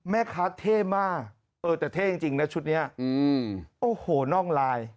แม่ค้าเท่มากเออแต่เท่จริงนะชุดนี้โอ้โหน่องลาย